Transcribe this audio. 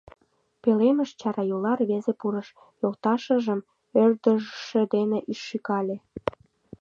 Пӧлемыш чарайолан рвезе пурыш, йолташыжым ӧрдыжшӧ дене шӱкале.